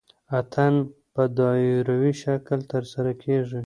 اتن په دایروي شکل ترسره کیږي.